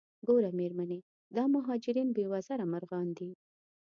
ګوره میرمنې دا مهاجرین بې وزره مرغان دي.